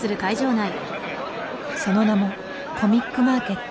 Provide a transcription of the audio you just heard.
その名もコミックマーケット。